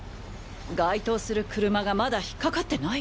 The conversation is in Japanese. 該当する車がまだ引っ掛かってない！？